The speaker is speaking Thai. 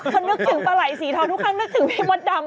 คนนึกถึงป้าไหลสีทองทุกครั้งนึกถึงพี่มดดำทุกครั้ง